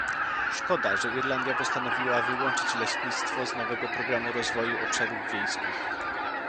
Szkoda, że Irlandia postanowiła wyłączyć leśnictwo z nowego Programu rozwoju obszarów wiejskich